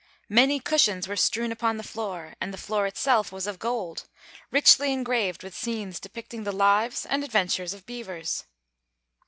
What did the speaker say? Many cushions were strewn upon the floor, and the floor itself was of gold, richly engraved with scenes depicting the lives and adventures of beavers.